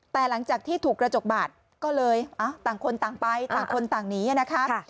แต่หลังจากที่ถูกกระจกบาดก็เลยต่างคนต่างไปต่างคนต่างหนีนะคะ